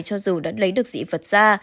cho dù đã lấy được dị vật ra